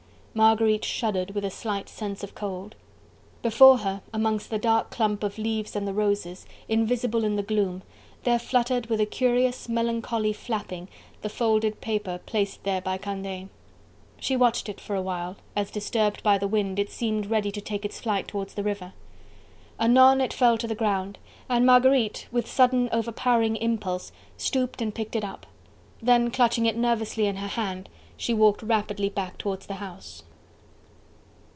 Marguerite shuddered with a slight sense of cold. Before her, amongst the dark clump of leaves and the roses, invisible in the gloom, there fluttered with a curious, melancholy flapping, the folded paper placed there by Candeille. She watched it for awhile, as, disturbed by the wind, it seemed ready to take its flight towards the river. Anon it fell to the ground, and Marguerite with sudden overpowering impulse, stooped and picked it up. Then clutching it nervously in her hand, she walked rapidly back towards the house.